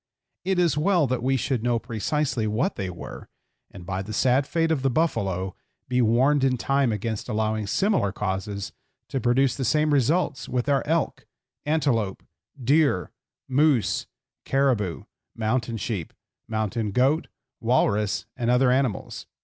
It is well that we should know precisely what they were, and by the sad fate of the buffalo be warned in time against allowing similar causes to produce the same results with our elk, antelope, deer, moose, caribou, mountain sheep, mountain goat, walrus, and other animals.